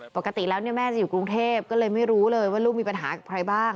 ปกติแล้วเนี่ยแม่จะอยู่กรุงเทพก็เลยไม่รู้เลยว่าลูกมีปัญหากับใครบ้าง